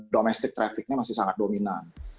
domestic traffic nya masih sangat dominan